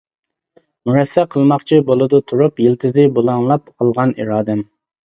مۇرەسسە قىلماقچى بولىدۇ تۇرۇپ، يىلتىزى پۇلاڭلاپ قالغان ئىرادەم.